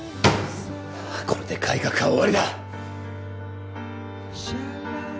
これで改革派は終わりだ！